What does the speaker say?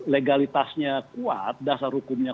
legalitasnya kuat dasar hukumnya